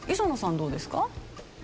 どうですか？